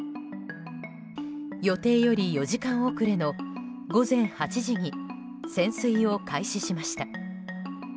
予定より４時間遅れの午前８時に潜水を開始しました。